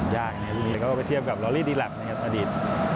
ยากเนี่ยเรียกเข้าไปเทียบกับลอรี่ดีลัพธ์นะครับอดีต